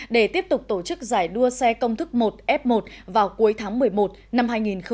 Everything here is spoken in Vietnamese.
để tiếp tục tổ chức giải đua xe công thức một f một vào cuối tháng một mươi một năm hai nghìn hai mươi